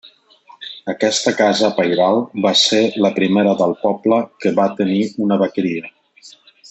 Aquesta casa pairal va ser la primera del poble que va tenir una vaqueria.